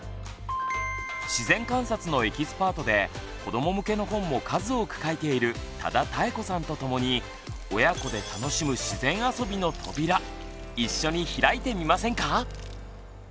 自然観察のエキスパートで子ども向けの本も数多く書いている多田多恵子さんと共に親子で楽しむ自然あそびの扉一緒に開いてみませんか？